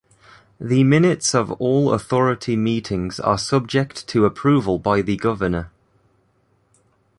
The minutes of all Authority meetings are subject to approval by the Governor.